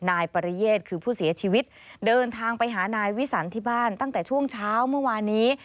นายปริเยศคือผู้เสียชีวิตเดินทางไปหานายวิสันที่บ้านตั้งแต่ช่วงเช้าเมื่อวานนี้